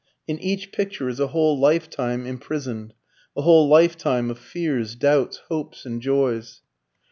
In each picture is a whole lifetime imprisoned, a whole lifetime of fears, doubts, hopes, and joys.